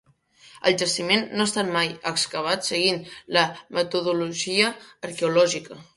El jaciment no ha estat mai excavat seguint la metodologia arqueològica.